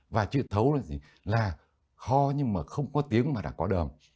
và chữ thấu là ho nhưng mà không có tiếng mà đã có đờm